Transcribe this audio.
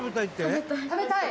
「食べたい？